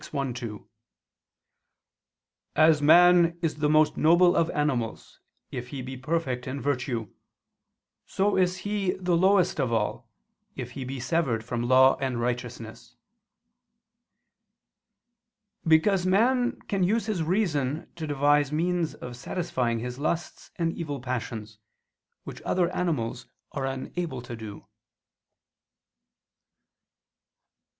i, 2), "as man is the most noble of animals if he be perfect in virtue, so is he the lowest of all, if he be severed from law and righteousness"; because man can use his reason to devise means of satisfying his lusts and evil passions, which other animals are unable to do.